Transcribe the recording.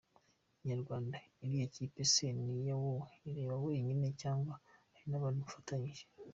Inyarwanda: Iriya kipe se ni wowe ireba wenyine cyangwa hari abandi mufatanya?.